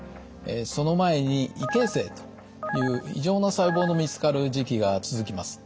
その前に異形成という異常な細胞の見つかる時期が続きます。